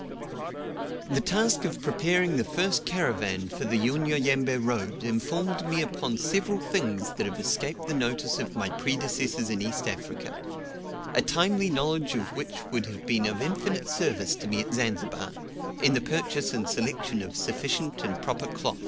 The task of preparing the first caravan for the Unyanyembe road informed me upon several things that have escaped the notice of my predecessors in East Africa, a timely knowledge of which would have been of infinite service to me at Zanzibar, in the purchase and selection of sufficient and proper cloth.